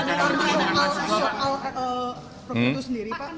soal perputu sendiri pak